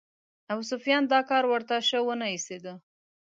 ابوسفیان دا کار ورته شه ونه ایسېده.